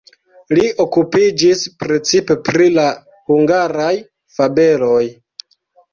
Li okupiĝis precipe pri la hungaraj fabeloj.